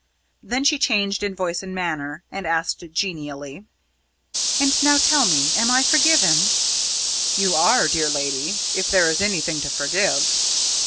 Then she changed in voice and manner, and asked genially: "And now tell me, am I forgiven?" "You are, dear lady if there is anything to forgive."